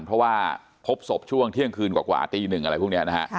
เพราะว่าพบศพช่วงเที่ยงคืนกว่าตีหนึ่งอะไรพวกนี้นะฮะ